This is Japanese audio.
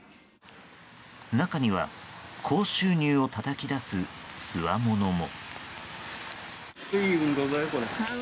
中には高収入をたたき出すつわものも。